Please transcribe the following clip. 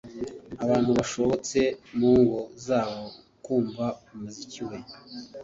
Abantu basohotse mu ngo zabo kumva umuziki we